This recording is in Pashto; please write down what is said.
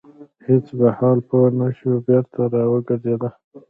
هیڅ په حال پوه نه شو بېرته را وګرځيده.